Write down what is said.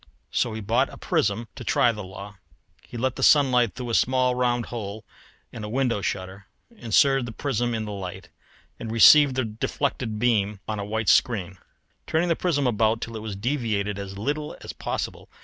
So he bought a prism to try the law. He let in sunlight through a small round hole in a window shutter, inserted the prism in the light, and received the deflected beam on a white screen; turning the prism about till it was deviated as little as possible.